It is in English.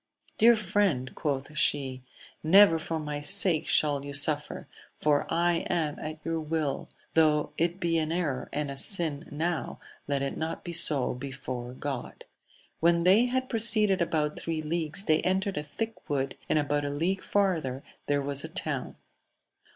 Dear friend, quoth she, never for my sake shall you suffer, for I am at your will : though it be an error and a sin now, let it not be so before God. — When they had proceeded about three leagues they entered a thick wood, and about a league farther there was a town.